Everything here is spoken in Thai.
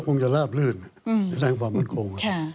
มันก็คงจะลาบลื่นด้านความมั่นคง